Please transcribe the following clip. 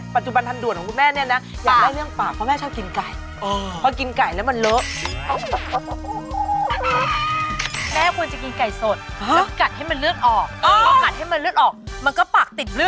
ขอใช้ช่วยกลับมาสู่เรื่องความจริงของทุกคนเลยค่ะ